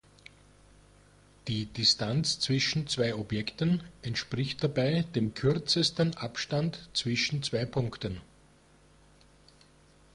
Die Distanz zwischen zwei Objekten entspricht dabei dem kürzesten Abstand zwischen zwei Punkten.